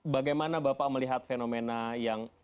bagaimana bapak melihat fenomena yang